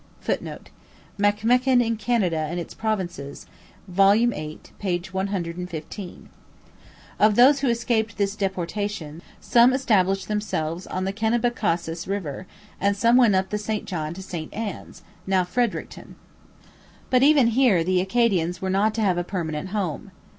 [Footnote: MacMechan in Canada and its Provinces, vol. xiii, p. 115.] Of those who escaped this deportation, some established themselves on the Kennebecasis river and some went up the St John to St Anne's, now Fredericton. But even here the Acadians were not to have a permanent home.